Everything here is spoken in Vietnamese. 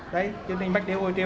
tại công ty nhận thấy bố lịch gia